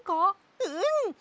うん！